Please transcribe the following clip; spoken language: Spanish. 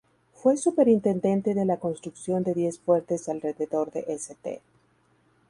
Fue superintendente de la construcción de diez fuertes alrededor de St.